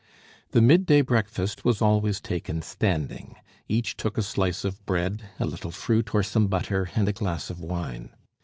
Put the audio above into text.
The midday breakfast was always taken standing. Each took a slice of bread, a little fruit or some butter, and a glass of wine.